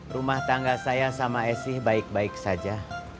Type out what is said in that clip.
rumah tangga saya sama asih baik baik saja